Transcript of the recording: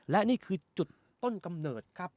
และนี่คือจุดต้นกำเนิดครับ